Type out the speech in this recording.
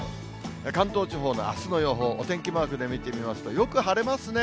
関東地方のあすの予報、お天気マークで見てみますと、よく晴れますね。